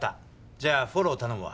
じゃあフォロー頼むわ。